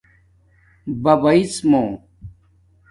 ببیڎمُو